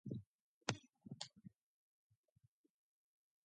At that point, it began running more movies and drama series.